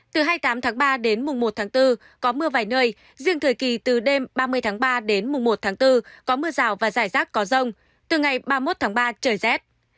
từ hai mươi tám tháng ba đến mùng một tháng bốn có mưa vài nơi riêng thời kỳ từ đêm ba mươi tháng ba đến mùng một tháng bốn có mưa rào và rải rác có rông từ ngày ba mươi một tháng ba trời rét